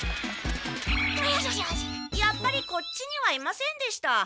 やっぱりこっちにはいませんでした。